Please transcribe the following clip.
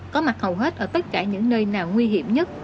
có mặt hầu hết ở tất cả những nơi nào nguy hiểm nhất